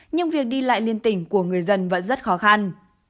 nhưng việc đi lại liên tỉnh của người dân vẫn rất khó khăn